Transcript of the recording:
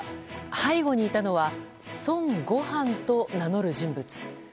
背後にいたのは孫悟飯と名乗る人物。